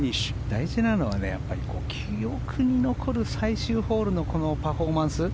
大事なのは記憶に残る最終ホールのこのパフォーマンス。